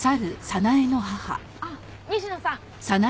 あっ西野さん。